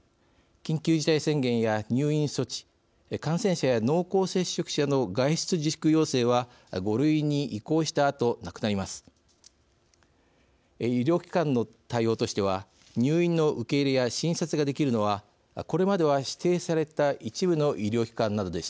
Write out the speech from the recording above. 緊急事態宣言や入院措置感染者や濃厚接触者の外出自粛要請は５類に移行したあとなくなります。